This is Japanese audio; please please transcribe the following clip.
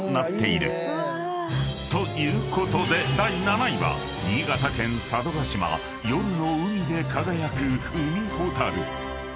［ということで第７位は新潟県佐渡島夜の海で輝くウミホタル］